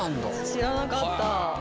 知らなかった。